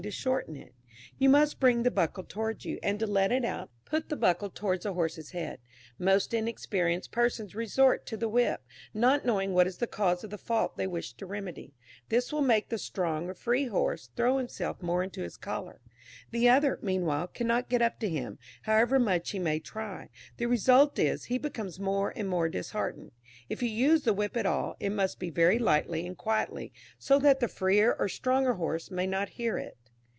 To shorten it, you must bring the buckle towards you; and to let it out, put the buckle towards the horse's head. Most inexperienced persons resort to the whip, not knowing what is the cause of the fault they wish to remedy; this will make the strong or free horse, throw himself more into his collar; the other, meanwhile, cannot get up to him, however much he may try; the result is, he becomes more and more disheartened. If you use the whip at all, it must be very lightly and quietly, so that the freer or stronger horse may not hear it.